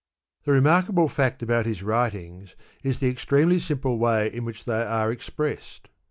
The remarkable fact about his writings is the extremely simple way in which they are expressed.